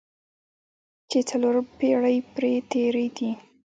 چې څلور پېړۍ پرې تېرې دي.